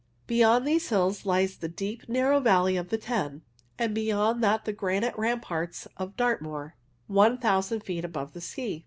Beyond these hills lies the deep, narrow valley of the Teign, and beyond that the granite ramparts of Dartmoor, 1000 feet above the sea.